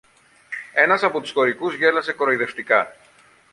Ένας από τους χωρικούς γέλασε κοροϊδευτικά.